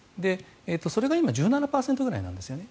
それが今１７％ぐらいなんですよね。